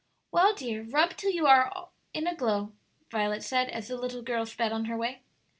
"Well, dear, rub till you are in a glow," Violet said, as the little girl sped on her way.